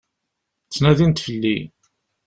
Ttnadint fell-i.